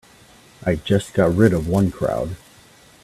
I just got rid of one crowd.